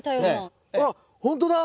あっほんとだ！